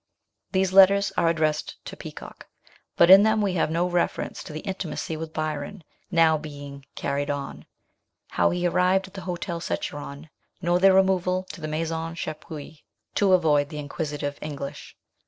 These letters are addressed to Peacock, but in them we have no reference to the intimacy with Byron now being carried on ; how he arrived at the Hotel Secheron, nor their removal to the Maison Chapuis to avoid the inquisitive English.